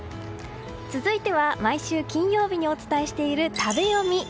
続いては毎週金曜日にお伝えしている食べヨミ。